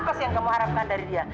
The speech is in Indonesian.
apa sih yang kamu harapkan dari dia